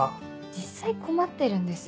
実際困ってるんです。